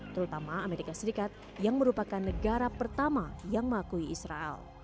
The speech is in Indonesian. terutama amerika serikat yang merupakan negara pertama yang mengakui israel